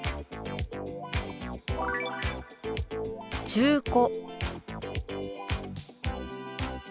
「中古」。